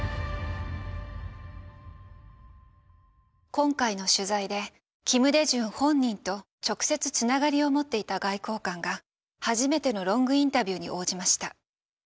今回の取材で金大中本人と直接つながりを持っていた外交官が初めてのロングインタビューに応じました。